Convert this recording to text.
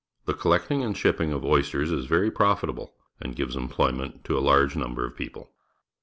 The collecting and shipping of oysters is very profitable and gives employ ment to a large number of people.